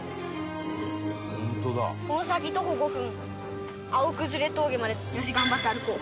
「この先徒歩５分青崩峠まで」よし頑張って歩こう！